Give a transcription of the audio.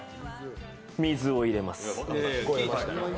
水を入れます。